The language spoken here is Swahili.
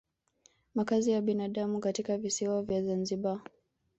Makazi ya binadamu katika visiwa vya Zanzibar